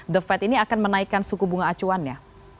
the fed ini akan menaikkan suku bunga acuan ya